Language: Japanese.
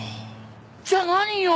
じゃあ何よ。